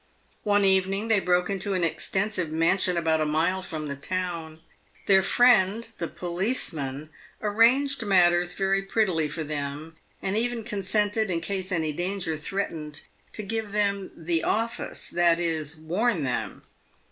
One evening, they broke into an extensive mansion about a mile from the town. Their friend, the policeman, arranged matters very prettily for them, and even consented, in case any danger threatened, to give them " the office ;" that is, warn them.